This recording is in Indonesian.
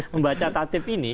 membaca tatip ini